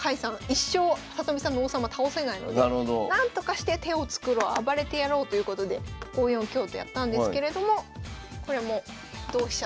一生里見さんの王様倒せないので何とかして手をつくろう暴れてやろうということで５四香とやったんですけれどもこれも同飛車と飛車で取って。